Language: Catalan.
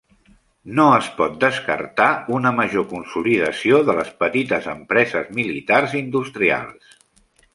No es pot descartar una major consolidació de les petites empreses militars-industrials.